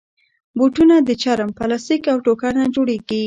بوټونه د چرم، پلاسټیک، او ټوکر نه جوړېږي.